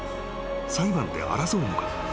裁判で争うのか？］